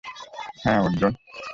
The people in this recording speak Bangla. হ্যা, অর্জুন!